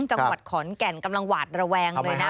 จังหวัดขอนแก่นกำลังหวาดระแวงเลยนะ